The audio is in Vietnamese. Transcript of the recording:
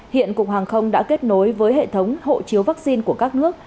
hiện cục hàng không đã kết nối với hệ thống hộ chiếu vaccine của các nước